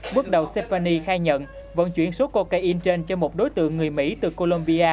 bước đầu sephani khai nhận vận chuyển số cocaine trên cho một đối tượng người mỹ từ colombia